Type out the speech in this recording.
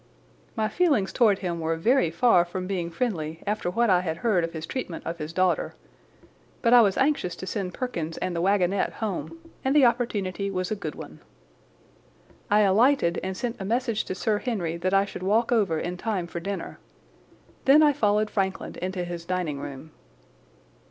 My feelings towards him were very far from being friendly after what I had heard of his treatment of his daughter, but I was anxious to send Perkins and the wagonette home, and the opportunity was a good one. I alighted and sent a message to Sir Henry that I should walk over in time for dinner. Then I followed Frankland into his dining room.